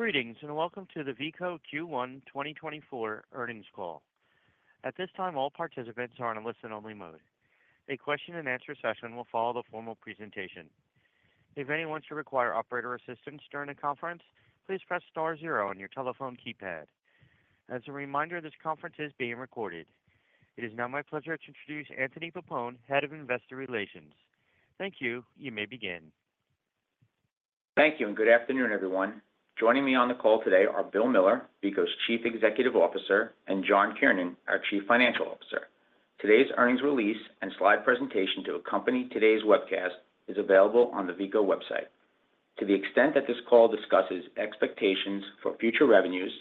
Greetings and welcome to the Veeco Q1 2024 earnings call. At this time, all participants are in a listen-only mode. A question-and-answer session will follow the formal presentation. If anyone should require operator assistance during the conference, please press star zero on your telephone keypad. As a reminder, this conference is being recorded. It is now my pleasure to introduce Anthony Pappone, Head of Investor Relations. Thank you. You may begin. Thank you, and good afternoon, everyone. Joining me on the call today are Bill Miller, Veeco's Chief Executive Officer, and John Kiernan, our Chief Financial Officer. Today's earnings release and slide presentation to accompany today's webcast is available on the Veeco website. To the extent that this call discusses expectations for future revenues,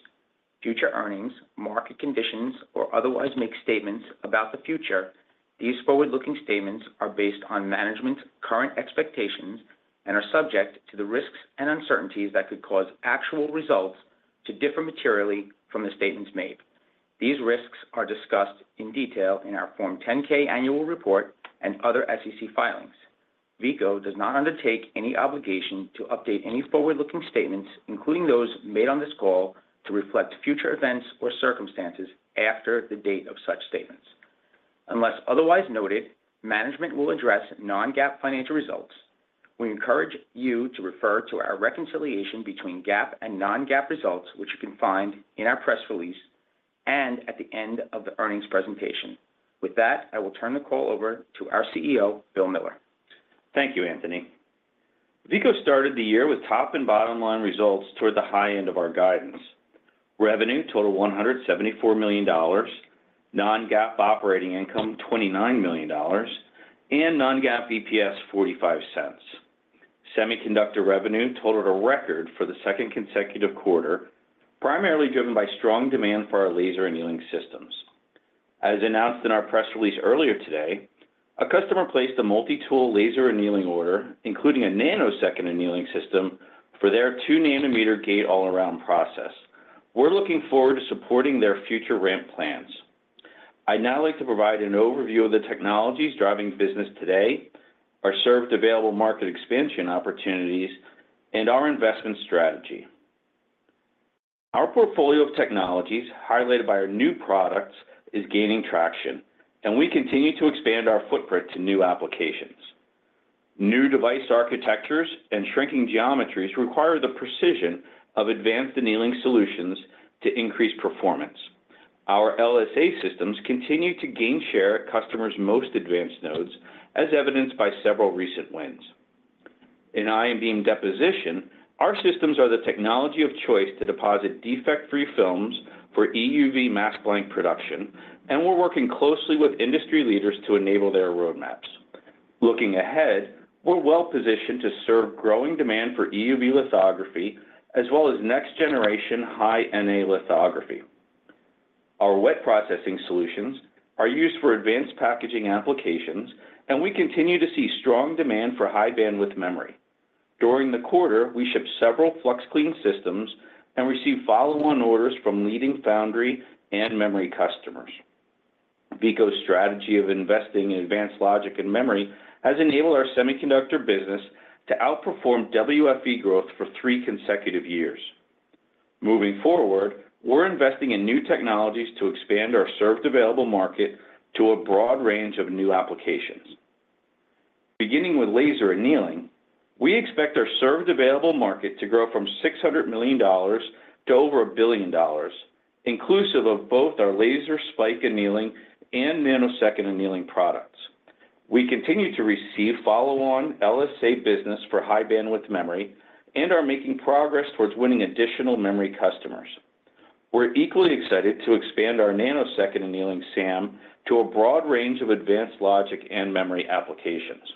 future earnings, market conditions, or otherwise makes statements about the future, these forward-looking statements are based on management's current expectations and are subject to the risks and uncertainties that could cause actual results to differ materially from the statements made. These risks are discussed in detail in our Form 10-K annual report and other SEC filings. Veeco does not undertake any obligation to update any forward-looking statements, including those made on this call, to reflect future events or circumstances after the date of such statements. Unless otherwise noted, management will address Non-GAAP financial results. We encourage you to refer to our reconciliation between GAAP and non-GAAP results, which you can find in our press release and at the end of the earnings presentation. With that, I will turn the call over to our CEO, Bill Miller. Thank you, Anthony. Veeco started the year with top and bottom line results toward the high end of our guidance: revenue totaled $174 million, non-GAAP operating income $29 million, and non-GAAP EPS $0.45. Semiconductor revenue totaled a record for the second consecutive quarter, primarily driven by strong demand for our laser annealing systems. As announced in our press release earlier today, a customer placed a multi-tool laser annealing order, including a nanosecond annealing system, for their 2-nanometer Gate-All-Around process. We're looking forward to supporting their future ramp plans. I'd now like to provide an overview of the technologies driving business today, our served available market expansion opportunities, and our investment strategy. Our portfolio of technologies, highlighted by our new products, is gaining traction, and we continue to expand our footprint to new applications. New device architectures and shrinking geometries require the precision of advanced annealing solutions to increase performance. Our LSA systems continue to gain share at customers' most advanced nodes, as evidenced by several recent wins. In ion beam deposition, our systems are the technology of choice to deposit defect-free films for EUV mask blank production, and we're working closely with industry leaders to enable their roadmaps. Looking ahead, we're well-positioned to serve growing demand for EUV lithography as well as next-generation High-NA lithography. Our wet processing solutions are used for advanced packaging applications, and we continue to see strong demand for high-bandwidth memory. During the quarter, we ship several Flux Clean systems and receive follow-on orders from leading foundry and memory customers. Veeco's strategy of investing in advanced logic and memory has enabled our semiconductor business to outperform WFE growth for three consecutive years. Moving forward, we're investing in new technologies to expand our served available market to a broad range of new applications. Beginning with laser annealing, we expect our served available market to grow from $600 million to over $1 billion, inclusive of both our laser spike annealing and nanosecond annealing products. We continue to receive follow-on LSA business for high-bandwidth memory and are making progress towards winning additional memory customers. We're equally excited to expand our nanosecond annealing SAM to a broad range of advanced logic and memory applications.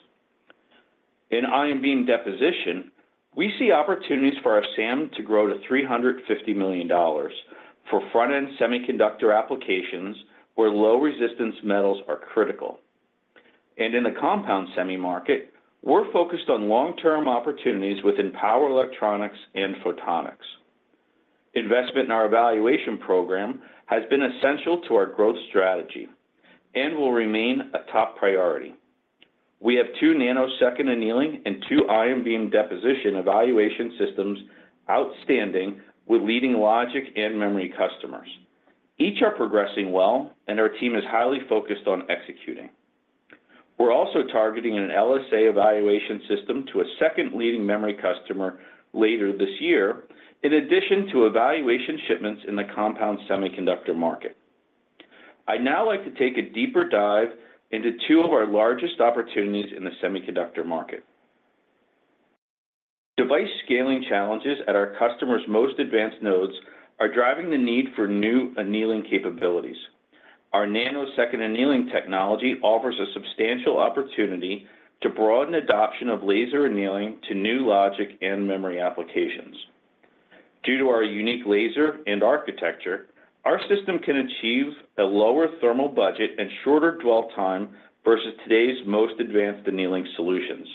In ion beam deposition, we see opportunities for our SAM to grow to $350 million for front-end semiconductor applications where low-resistance metals are critical. And in the compound semi market, we're focused on long-term opportunities within power electronics and photonics. Investment in our evaluation program has been essential to our growth strategy and will remain a top priority. We have two nanosecond annealing and two ion beam deposition evaluation systems outstanding with leading logic and memory customers. Each are progressing well, and our team is highly focused on executing. We're also targeting an LSA evaluation system to a second leading memory customer later this year, in addition to evaluation shipments in the compound semiconductor market. I'd now like to take a deeper dive into two of our largest opportunities in the semiconductor market. Device scaling challenges at our customers' most advanced nodes are driving the need for new annealing capabilities. Our nanosecond annealing technology offers a substantial opportunity to broaden adoption of laser annealing to new logic and memory applications. Due to our unique laser and architecture, our system can achieve a lower thermal budget and shorter dwell time versus today's most advanced annealing solutions.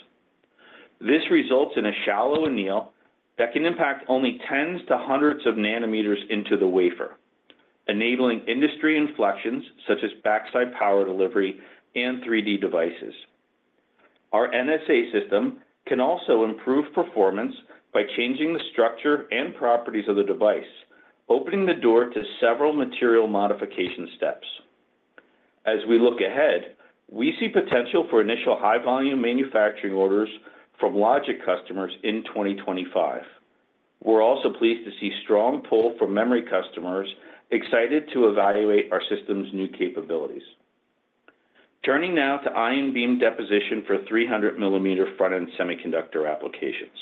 This results in a shallow anneal that can impact only tens to hundreds of nanometers into the wafer, enabling industry inflections such as backside power delivery and 3D devices. Our NSA system can also improve performance by changing the structure and properties of the device, opening the door to several material modification steps. As we look ahead, we see potential for initial high-volume manufacturing orders from logic customers in 2025. We're also pleased to see strong pull from memory customers excited to evaluate our system's new capabilities. Turning now to ion beam deposition for 300-millimeter front-end semiconductor applications.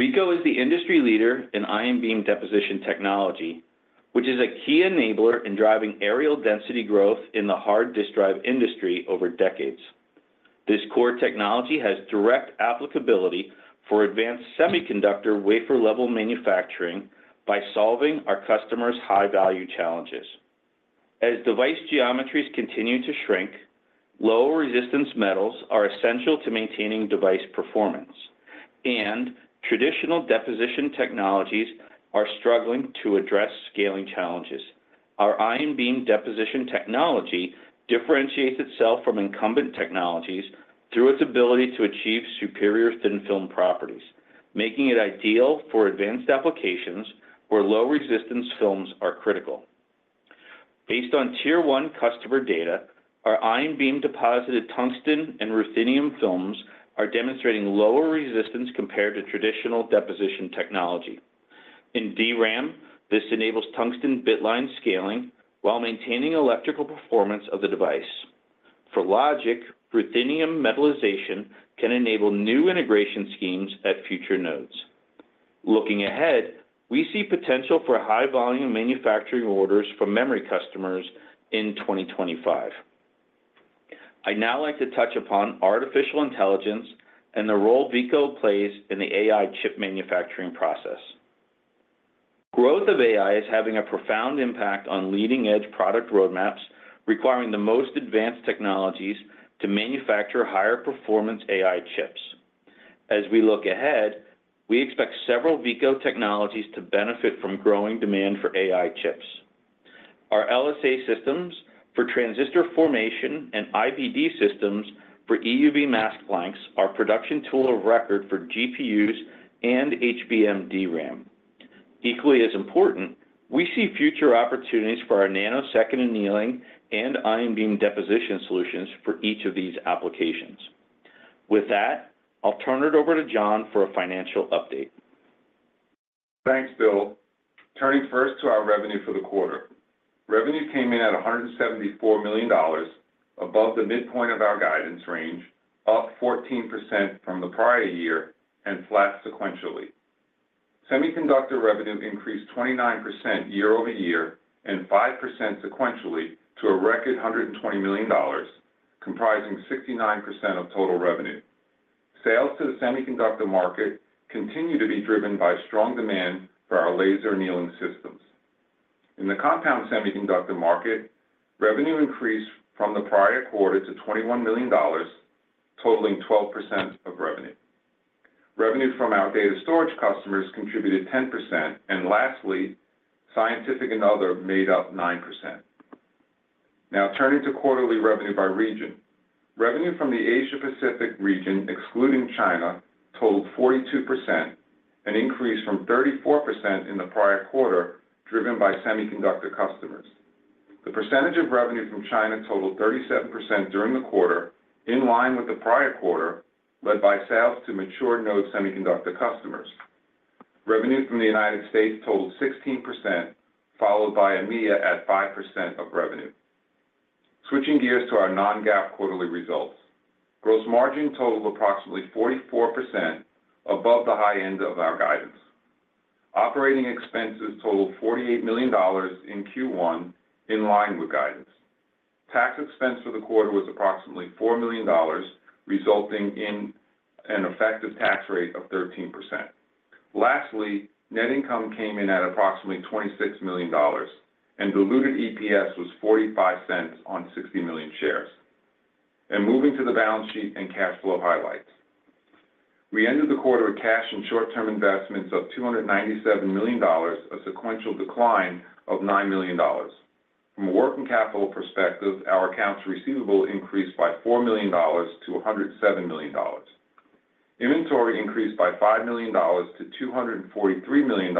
Veeco is the industry leader in ion beam deposition technology, which is a key enabler in driving areal density growth in the hard disk drive industry over decades. This core technology has direct applicability for advanced semiconductor wafer-level manufacturing by solving our customers' high-value challenges. As device geometries continue to shrink, low-resistance metals are essential to maintaining device performance, and traditional deposition technologies are struggling to address scaling challenges. Our ion beam Deposition technology differentiates itself from incumbent technologies through its ability to achieve superior thin-film properties, making it ideal for advanced applications where low-resistance films are critical. Based on tier-one customer data, our ion beam deposited tungsten and ruthenium films are demonstrating lower resistance compared to traditional deposition technology. In DRAM, this enables tungsten bitline scaling while maintaining electrical performance of the device. For logic, ruthenium metallization can enable new integration schemes at future nodes. Looking ahead, we see potential for high-volume manufacturing orders from memory customers in 2025. I'd now like to touch upon artificial intelligence and the role Veeco plays in the AI chip manufacturing process. Growth of AI is having a profound impact on leading-edge product roadmaps, requiring the most advanced technologies to manufacture higher-performance AI chips. As we look ahead, we expect several Veeco technologies to benefit from growing demand for AI chips. Our LSA systems for transistor formation and IBD systems for EUV mask blanks are production tool of record for GPUs and HBM DRAM. Equally as important, we see future opportunities for our nanosecond annealing and ion beam deposition solutions for each of these applications. With that, I'll turn it over to John for a financial update. Thanks, Bill. Turning first to our revenue for the quarter. Revenue came in at $174 million, above the midpoint of our guidance range, up 14% from the prior year and flat sequentially. Semiconductor revenue increased 29% year-over-year and 5% sequentially to a record $120 million, comprising 69% of total revenue. Sales to the semiconductor market continue to be driven by strong demand for our laser annealing systems. In the compound semiconductor market, revenue increased from the prior quarter to $21 million, totaling 12% of revenue. Revenue from data storage customers contributed 10%, and lastly, scientific and other made up 9%. Now turning to quarterly revenue by region. Revenue from the Asia-Pacific region, excluding China, totaled 42%, an increase from 34% in the prior quarter driven by semiconductor customers. The percentage of revenue from China totaled 37% during the quarter, in line with the prior quarter, led by sales to mature node semiconductor customers. Revenue from the United States totaled 16%, followed by EMEA at 5% of revenue. Switching gears to our non-GAAP quarterly results. Gross margin totaled approximately 44%, above the high end of our guidance. Operating expenses totaled $48 million in Q1, in line with guidance. Tax expense for the quarter was approximately $4 million, resulting in an effective tax rate of 13%. Lastly, net income came in at approximately $26 million, and diluted EPS was $0.45 on 60 million shares. Moving to the balance sheet and cash flow highlights. We ended the quarter with cash and short-term investments of $297 million, a sequential decline of $9 million. From a working capital perspective, our accounts receivable increased by $4 million to $107 million. Inventory increased by $5 million to $243 million,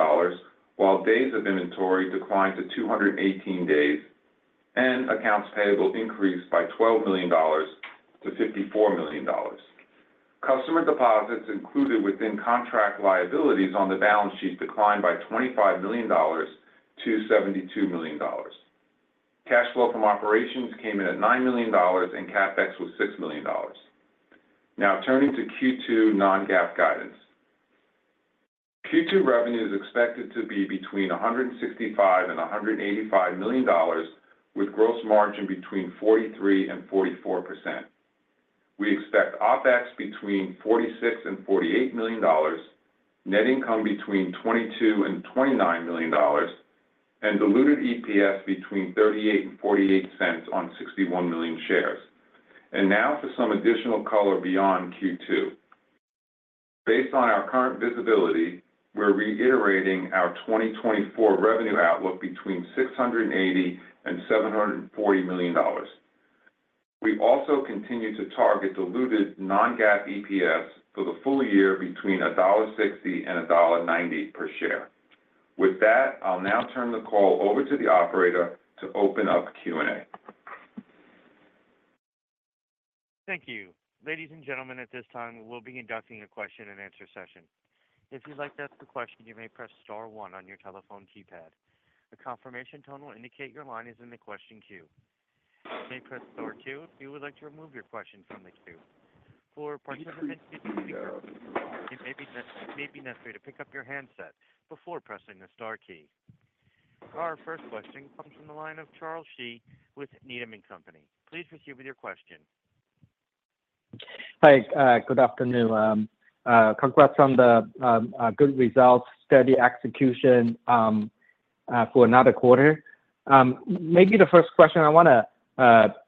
while days of inventory declined to 218 days, and accounts payable increased by $12 million to $54 million. Customer deposits included within contract liabilities on the balance sheet declined by $25 million to $72 million. Cash flow from operations came in at $9 million, and CapEx was $6 million. Now turning to Q2 non-GAAP guidance. Q2 revenue is expected to be between $165 million-$185 million, with gross margin between 43%-44%. We expect OpEx between $46 million-$48 million, net income between $22 million-$29 million, and diluted EPS between $0.38-$0.48 on 61 million shares. And now for some additional color beyond Q2. Based on our current visibility, we're reiterating our 2024 revenue outlook between $680 million-$740 million. We also continue to target diluted non-GAAP EPS for the full year between $1.60-$1.90 per share. With that, I'll now turn the call over to the operator to open up Q&A. Thank you. Ladies and gentlemen, at this time, we will be inducting a question-and-answer session. If you'd like to ask a question, you may press star one on your telephone keypad. The confirmation tone will indicate your line is in the question queue. You may press star two if you would like to remove your question from the queue. For participants who speak, it may be necessary to pick up your handset before pressing the star key. Our first question comes from the line of Charles Shi with Needham & Company. Please proceed with your question. Hi. Good afternoon. Congrats on the good results, steady execution for another quarter. Maybe the first question, I want to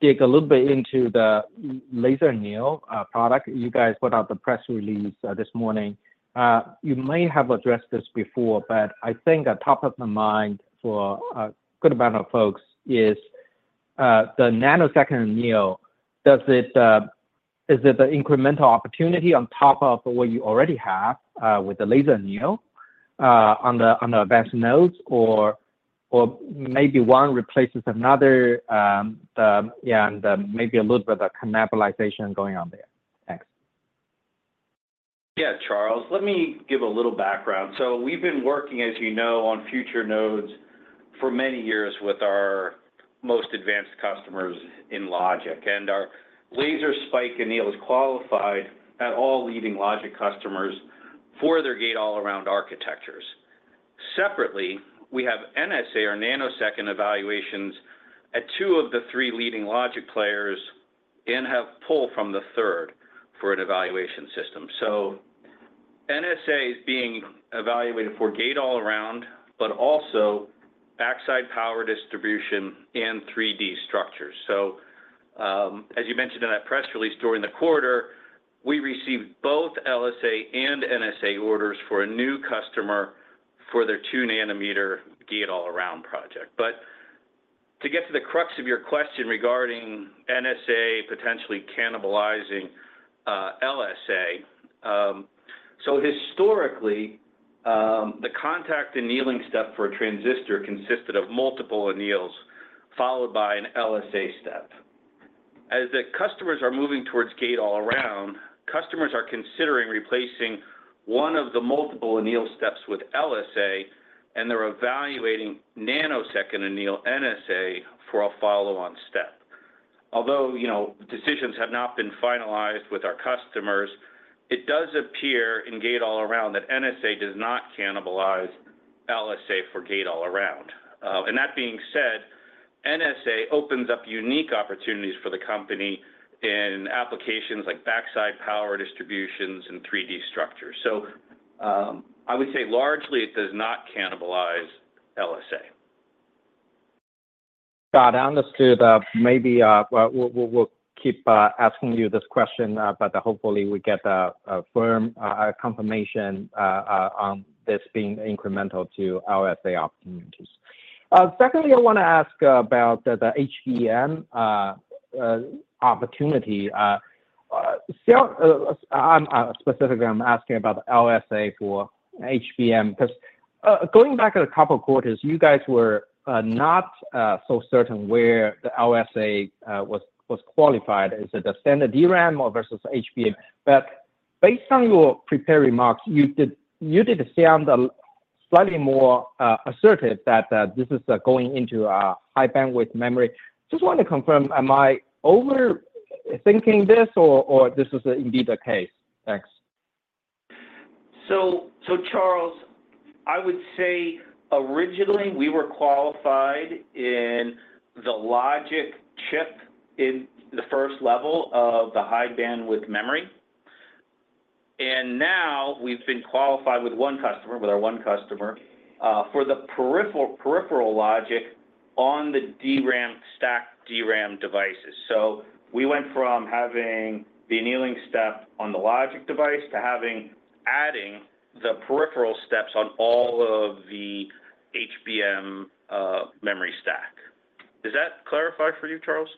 dig a little bit into the laser anneal product you guys put out the press release this morning. You may have addressed this before, but I think a top of my mind for a good amount of folks is the nanosecond anneal, is it an incremental opportunity on top of what you already have with the laser anneal on the advanced nodes, or maybe one replaces another, and maybe a little bit of cannibalization going on there? Thanks. Yeah, Charles. Let me give a little background. So we've been working, as you know, on future nodes for many years with our most advanced customers in logic. And our laser spike anneal is qualified at all leading logic customers for their gate-all-around architectures. Separately, we have NSA, our nanosecond evaluations, at two of the three leading logic players and have pull from the third for an evaluation system. So NSA is being evaluated for gate-all-around, but also backside power delivery and 3D structures. So as you mentioned in that press release during the quarter, we received both LSA and NSA orders for a new customer for their 2-nanometer gate-all-around project. But to get to the crux of your question regarding NSA potentially cannibalizing LSA, so historically, the contact annealing step for a transistor consisted of multiple anneals followed by an LSA step. As the customers are moving towards gate-all-around, customers are considering replacing one of the multiple anneal steps with LSA, and they're evaluating nanosecond anneal NSA for a follow-on step. Although decisions have not been finalized with our customers, it does appear in gate-all-around that NSA does not cannibalize LSA for gate-all-around. And that being said, NSA opens up unique opportunities for the company in applications like backside power delivery and 3D structures. So I would say largely, it does not cannibalize LSA. Got it. I understood. Maybe we'll keep asking you this question, but hopefully, we get a firm confirmation on this being incremental to LSA opportunities. Secondly, I want to ask about the HBM opportunity. Specifically, I'm asking about the LSA for HBM because going back a couple of quarters, you guys were not so certain where the LSA was qualified. Is it the standard DRAM versus HBM? But based on your prepared remarks, you did sound slightly more assertive that this is going into high-bandwidth memory. Just want to confirm, am I overthinking this, or this is indeed the case? Thanks. So, Charles, I would say originally, we were qualified in the logic chip in the first level of the high-bandwidth memory. And now, we've been qualified with one customer, with our one customer, for the peripheral logic on the stacked DRAM devices. So we went from having the annealing step on the logic device to adding the peripheral steps on all of the HBM memory stack. Does that clarify for you, Charles?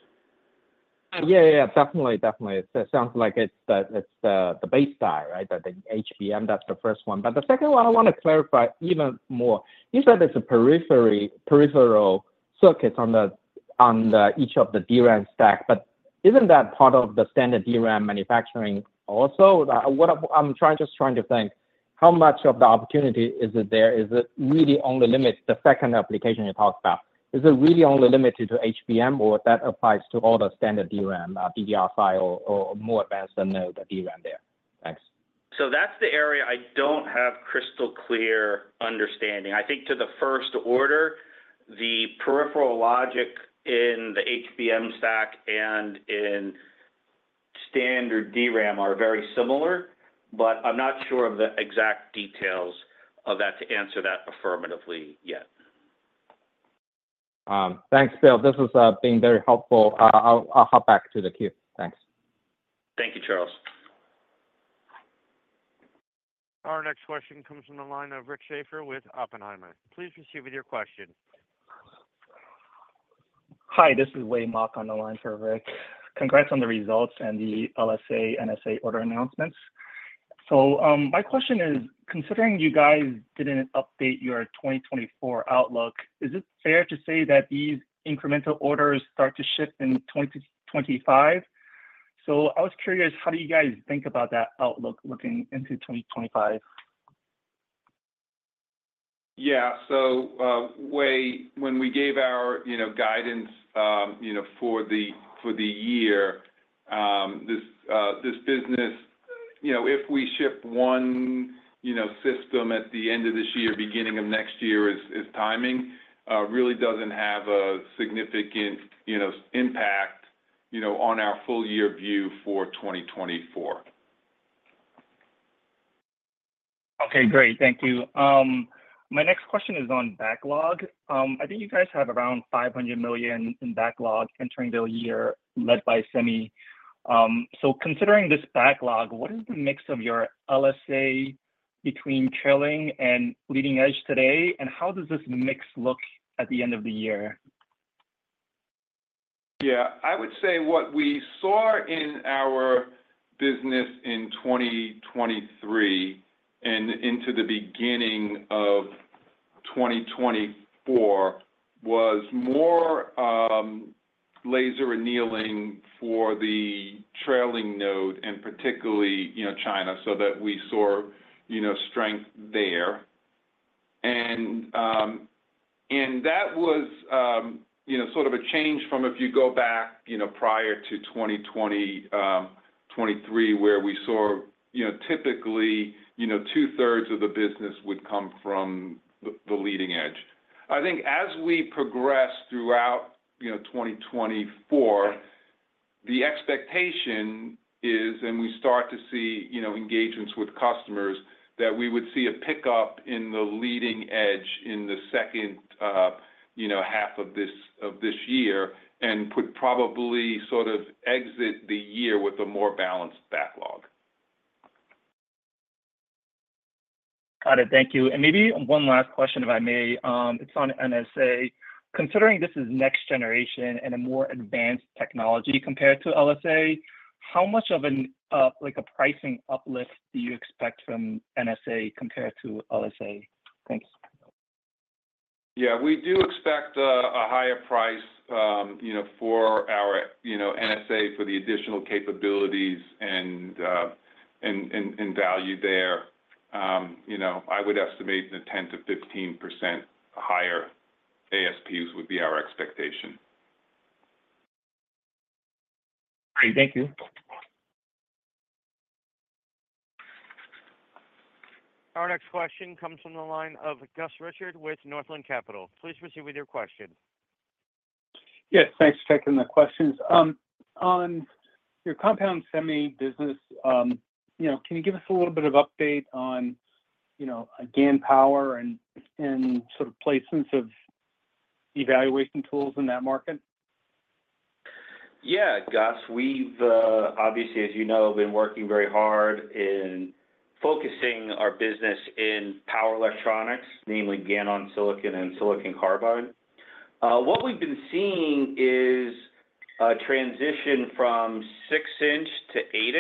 Yeah, yeah, yeah. Definitely, definitely. It sounds like it's the base tie, right? The HBM, that's the first one. But the second one, I want to clarify even more. You said there's a peripheral circuit on each of the DRAM stacks, but isn't that part of the standard DRAM manufacturing also? I'm just trying to think. How much of the opportunity is it there? Is it really only limited to the second application you talked about? Is it really only limited to HBM, or that applies to all the standard DRAM, DDR5, or more advanced node DRAM there? Thanks. That's the area I don't have crystal clear understanding. I think to the first order, the peripheral logic in the HBM stack and in standard DRAM are very similar, but I'm not sure of the exact details of that to answer that affirmatively yet. Thanks, Bill. This has been very helpful. I'll hop back to the queue. Thanks. Thank you, Charles. Our next question comes from the line of Rick Schafer with Oppenheimer. Please proceed with your question. Hi. This is Wei Mok on the line for Rick. Congrats on the results and the LSA/NSA order announcements. So my question is, considering you guys didn't update your 2024 outlook, is it fair to say that these incremental orders start to shift in 2025? So I was curious, how do you guys think about that outlook looking into 2025? Yeah. So, Wei, when we gave our guidance for the year, this business, if we ship one system at the end of this year, beginning of next year is timing, really doesn't have a significant impact on our full-year view for 2024. Okay. Great. Thank you. My next question is on backlog. I think you guys have around $500 million in backlog entering the year led by semi. So considering this backlog, what is the mix of your LSA between trailing and leading edge today, and how does this mix look at the end of the year? Yeah. I would say what we saw in our business in 2023 and into the beginning of 2024 was more laser annealing for the trailing node, and particularly China, so that we saw strength there. And that was sort of a change from if you go back prior to 2023, where we saw typically 2/3 of the business would come from the leading edge. I think as we progress throughout 2024, the expectation is, and we start to see engagements with customers, that we would see a pickup in the leading edge in the second half of this year and would probably sort of exit the year with a more balanced backlog. Got it. Thank you. Maybe one last question, if I may. It's on NSA. Considering this is next generation and a more advanced technology compared to LSA, how much of a pricing uplift do you expect from NSA compared to LSA? Thanks. Yeah. We do expect a higher price for our NSA for the additional capabilities and value there. I would estimate a 10%-15% higher ASPs would be our expectation. Great. Thank you. Our next question comes from the line of Gus Richard with Northland Capital. Please proceed with your question. Yes. Thanks for taking the questions. On your compound semi business, can you give us a little bit of update on GaN power and sort of placements of evaluation tools in that market? Yeah, Gus. We've, obviously, as you know, been working very hard in focusing our business in power electronics, namely GaN on silicon and silicon carbide. What we've been seeing is a transition from 6 in to 8 in,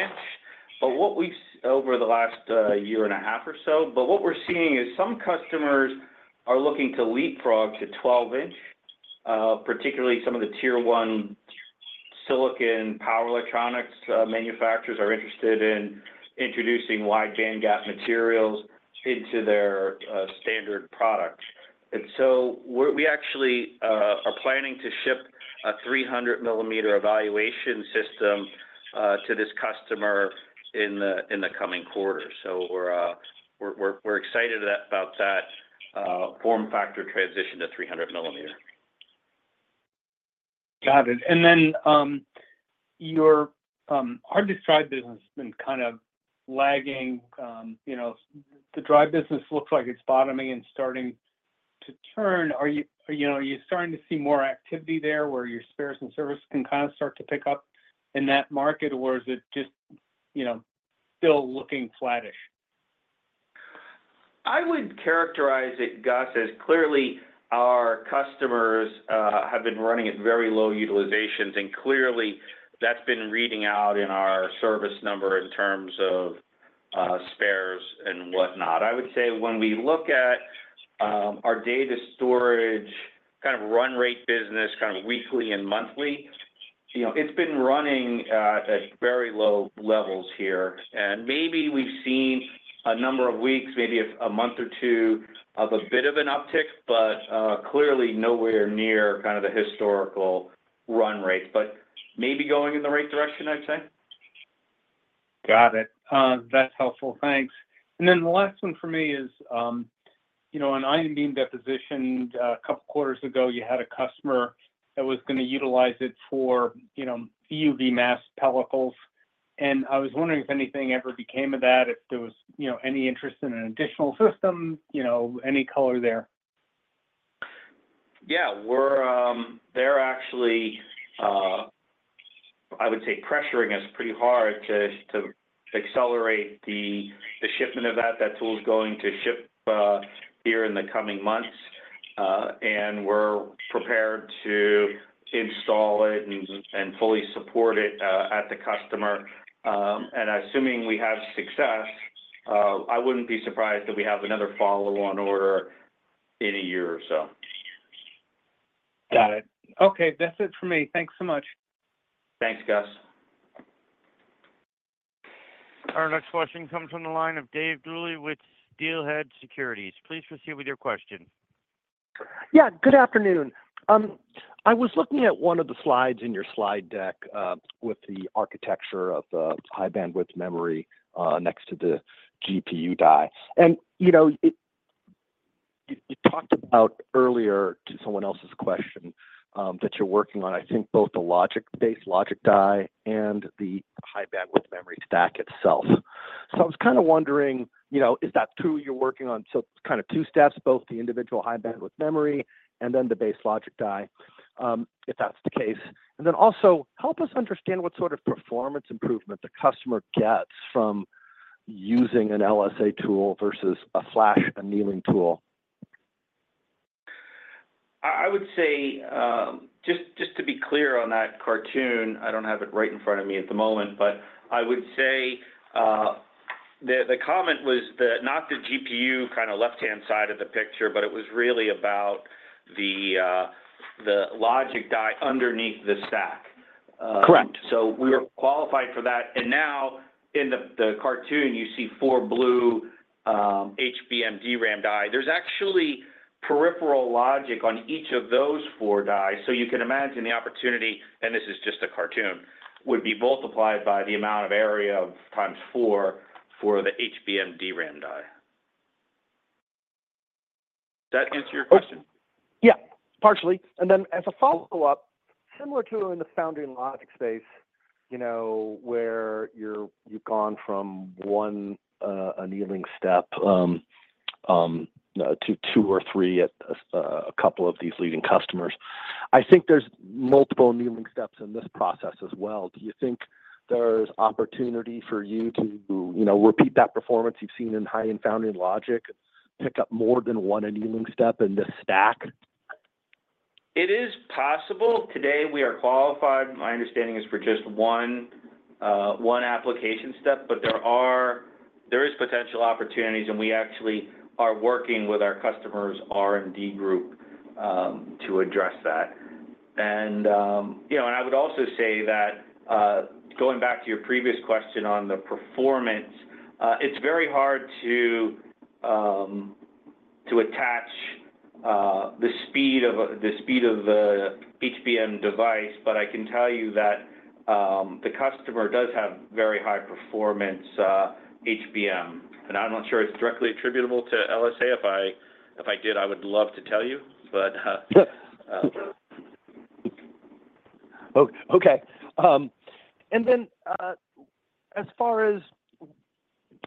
over the last year and a half or so. But what we're seeing is some customers are looking to leapfrog to 12 in, particularly some of the tier-one silicon power electronics manufacturers are interested in introducing wide bandgap materials into their standard product. And so we actually are planning to ship a 300 millimeter evaluation system to this customer in the coming quarter. So we're excited about that form factor transition to 300 millimeter. Got it. And then your hard disk drive business has been kind of lagging. The drive business looks like it's bottoming and starting to turn. Are you starting to see more activity there where your spares and service can kind of start to pick up in that market, or is it just still looking flatish? I would characterize it, Gus, as clearly, our customers have been running at very low utilizations, and clearly, that's been reading out in our service number in terms of spares and whatnot. I would say when we look at our data storage kind of run rate business, kind of weekly and monthly, it's been running at very low levels here. And maybe we've seen a number of weeks, maybe a month or two, of a bit of an uptick, but clearly, nowhere near kind of the historical run rates. But maybe going in the right direction, I'd say. Got it. That's helpful. Thanks. And then the last one for me is on ion beam deposition, a couple of quarters ago, you had a customer that was going to utilize it for EUV mask pellicles. And I was wondering if anything ever became of that, if there was any interest in an additional system, any color there. Yeah. They're actually, I would say, pressuring us pretty hard to accelerate the shipment of that. That tool is going to ship here in the coming months, and we're prepared to install it and fully support it at the customer. Assuming we have success, I wouldn't be surprised that we have another follow-on order in a year or so. Got it. Okay. That's it for me. Thanks so much. Thanks, Gus. Our next question comes from the line of Dave Duley with Steelhead Securities. Please proceed with your question. Yeah. Good afternoon. I was looking at one of the slides in your slide deck with the architecture of the high-bandwidth memory next to the GPU die. And you talked about earlier to someone else's question that you're working on, I think, both the base logic die and the high-bandwidth memory stack itself. So I was kind of wondering, is that true you're working on so kind of two steps, both the individual high-bandwidth memory and then the base logic die, if that's the case? And then also, help us understand what sort of performance improvement the customer gets from using an LSA tool versus a flash annealing tool. I would say, just to be clear on that cartoon, I don't have it right in front of me at the moment, but I would say the comment was not the GPU kind of left-hand side of the picture, but it was really about the logic die underneath the stack. So we were qualified for that. And now, in the cartoon, you see four blue HBM DRAM die. There's actually peripheral logic on each of those four die. So you can imagine the opportunity - and this is just a cartoon - would be multiplied by the amount of area times four for the HBM DRAM die. Does that answer your question? Yeah, partially. And then as a follow-up, similar to in the foundry and logic space where you've gone from one annealing step to two or three at a couple of these leading customers, I think there's multiple annealing steps in this process as well. Do you think there's opportunity for you to repeat that performance you've seen in high-end foundry and logic, pick up more than one annealing step in this stack? It is possible. Today, we are qualified, my understanding is, for just one application step. There is potential opportunities, and we actually are working with our customer's R&D group to address that. I would also say that going back to your previous question on the performance, it's very hard to attribute the speed of the HBM device, but I can tell you that the customer does have very high-performance HBM. I'm not sure it's directly attributable to LSA. If I did, I would love to tell you, but. Okay. And then as far as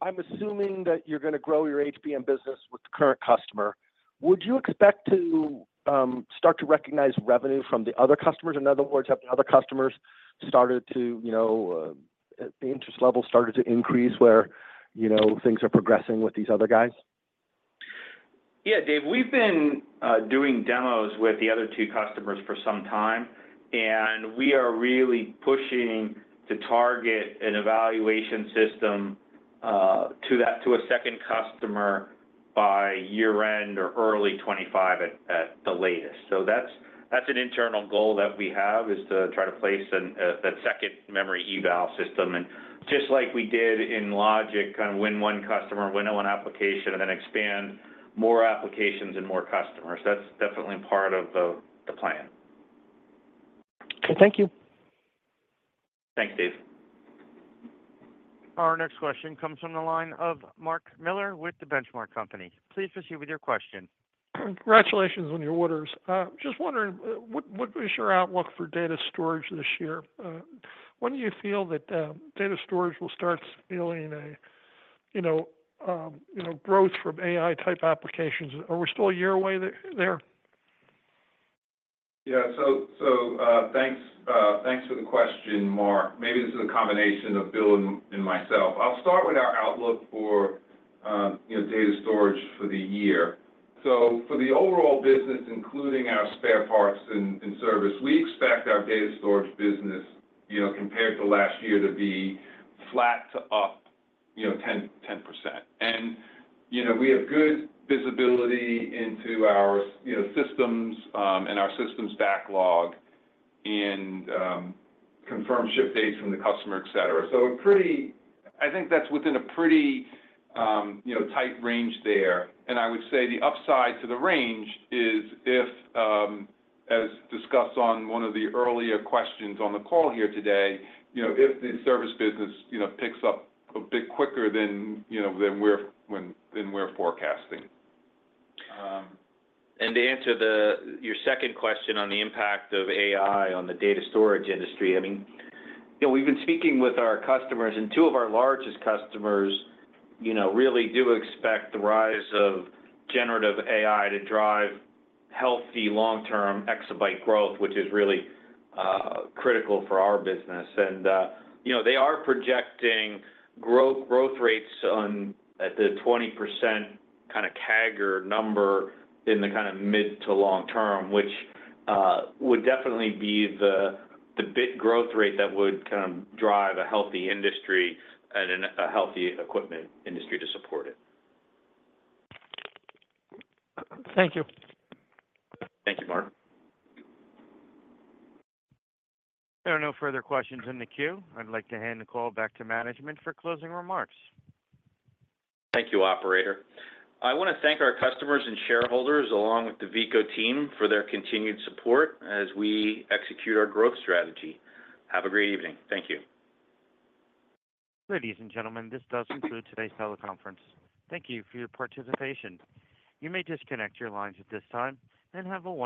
I'm assuming that you're going to grow your HBM business with the current customer, would you expect to start to recognize revenue from the other customers? In other words, have the other customers started to the interest level started to increase where things are progressing with these other guys? Yeah, Dave. We've been doing demos with the other two customers for some time, and we are really pushing to target an evaluation system to a second customer by year-end or early 2025 at the latest. So that's an internal goal that we have, is to try to place that second memory eval system. And just like we did in logic, kind of win 1 customer, win 1 application, and then expand more applications and more customers. That's definitely part of the plan. Okay. Thank you. Thanks, Dave. Our next question comes from the line of Mark Miller with The Benchmark Company. Please proceed with your question. Congratulations on your orders. Just wondering, what is your outlook for data storage this year? When do you feel that data storage will start feeling a growth from AI-type applications? Are we still a year away there? Yeah. So thanks for the question, Mark. Maybe this is a combination of Bill and myself. I'll start with our outlook for data storage for the year. So for the overall business, including our spare parts and service, we expect our data storage business, compared to last year, to be flat to up 10%. And we have good visibility into our systems and our systems backlog and confirmed ship dates from the customer, etc. So I think that's within a pretty tight range there. And I would say the upside to the range is if, as discussed on one of the earlier questions on the call here today, if the service business picks up a bit quicker than we're forecasting. To answer your second question on the impact of AI on the data storage industry, I mean, we've been speaking with our customers, and two of our largest customers really do expect the rise of generative AI to drive healthy, long-term exabyte growth, which is really critical for our business. They are projecting growth rates at the 20% kind of CAGR number in the kind of mid- to long-term, which would definitely be the bit growth rate that would kind of drive a healthy industry and a healthy equipment industry to support it. Thank you. Thank you, Mark. There are no further questions in the queue. I'd like to hand the call back to management for closing remarks. Thank you, operator. I want to thank our customers and shareholders, along with the Veeco team, for their continued support as we execute our growth strategy. Have a great evening. Thank you. Ladies and gentlemen, this does conclude today's teleconference. Thank you for your participation. You may disconnect your lines at this time.